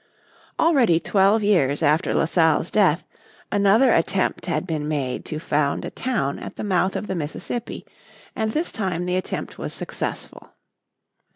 Already twelve years after La Salle's death another attempt had been made to found a town at the mouth of the Mississippi, and this time the attempt was successful.